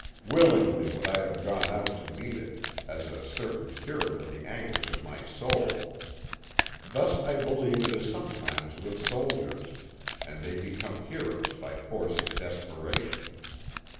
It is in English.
Willingly would I have gone out to meet it, as a certain cure for the anguish of my soul. Thus I believe it is sometimes with soldiers, and they become heroes by force of desperation.